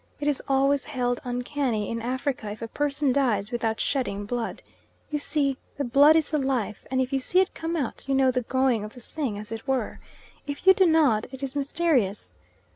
It is always held uncanny in Africa if a person dies without shedding blood. You see, the blood is the life, and if you see it come out, you know the going of the thing, as it were. If you do not, it is mysterious.